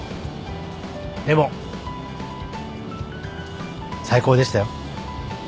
でも最高でしたよ。